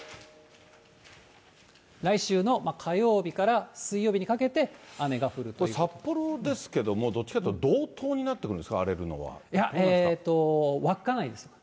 来週の火曜日から水曜日にかけて、札幌ですけれども、どっちかっていうと、道東になってくるんですか、えーと、稚内です。